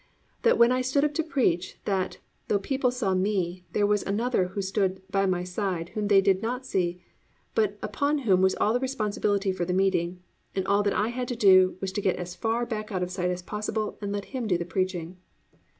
that when I stood up to preach, that, though people saw me, that there was Another who stood by my side whom they did not see, but upon whom was all the responsibility for the meeting, and all that I had to do was to get as far back out of sight as possible and let Him do the preaching.